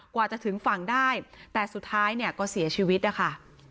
กว่าจะถึงฝั่งได้แต่สุดท้ายเนี่ยก็เสียชีวิตนะคะ